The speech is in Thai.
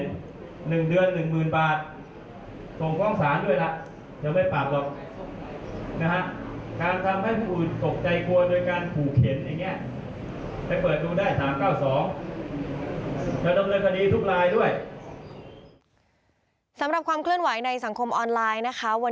จังหวะที่ตำรวจมาพอดีด้วยแล้วก็ดูจากภาพแล้วคิดว่าน่าจะเป็นจังหวะที่ตำรวจมาพอดีด้วยแล้วก็ดูจากภาพแล้วคิดว่าน่าจะเป็น